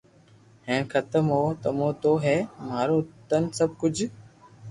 ھين ختم بو تمو تو ھي مارون تن سب ڪجھ